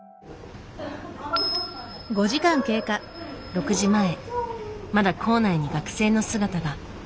６時前まだ校内に学生の姿が。